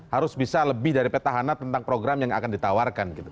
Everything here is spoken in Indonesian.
harus bisa lebih dari peta hana tentang program yang akan ditawarkan